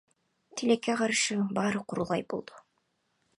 Тилекке каршы баары курулай болду.